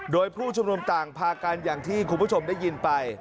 โดยผู้ชุมนุมต่างพากันอย่างที่คุณผู้ชมได้ยินไป